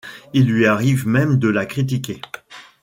Il lui arrive même de la critiquer.